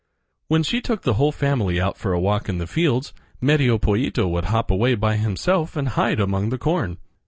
When she took the whole family out for a walk in the fields, Medio Pollito would hop away by himself and hide among the corn.